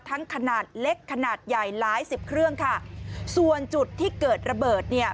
ขนาดเล็กขนาดใหญ่หลายสิบเครื่องค่ะส่วนจุดที่เกิดระเบิดเนี่ย